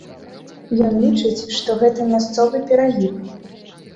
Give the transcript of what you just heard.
Ён лічыць, што гэта мясцовы перагіб.